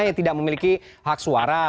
yang tidak memiliki hak suara